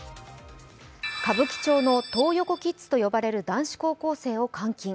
歌舞伎町のトー横キッズと呼ばれる男子高校生を監禁。